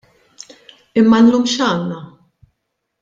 Imma llum x'għandna?